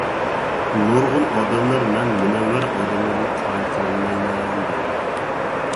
نۇرغۇن ئادەملەر مەن مۇنەۋۋەر ئادەملەرنى قايىل قىلالمايمەن دەيدۇ.